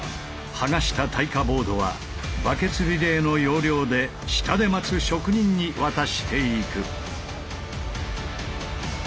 剥がした耐火ボードはバケツリレーの要領で下で待つ職人に渡していく。